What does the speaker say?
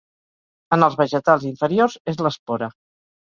En els vegetals inferiors és l'espora.